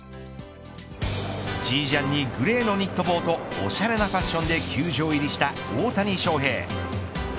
ジージャンにグレーのニット帽とおしゃれなファッションで球場入りした大谷翔平。